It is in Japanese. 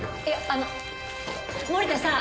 あの森田さん！